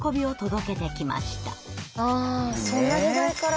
あそんな時代から。